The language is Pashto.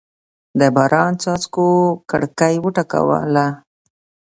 د باران څاڅکو کړکۍ وټکوله.